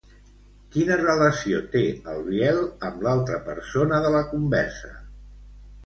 Quina relació té el Biel amb l'altra persona de la conversa?